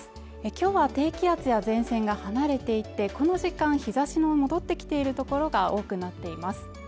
きょうは低気圧や前線が離れていてこの時間日ざしの戻ってきているところが多くなっています